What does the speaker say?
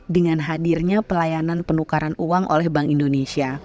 dengan hadirnya pelayanan penukaran uang oleh bank indonesia